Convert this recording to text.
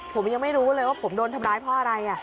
ผมยังไม่รู้เลยว่าผมโดนทำร้ายเพราะอะไร